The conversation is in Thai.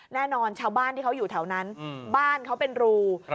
แน่นอนชาวบ้านที่เขาอยู่แถวนั้นบ้านเขาเป็นรู